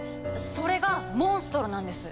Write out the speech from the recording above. それがモンストロなんです。